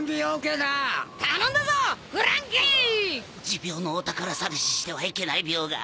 持病のお宝探ししてはいけない病が。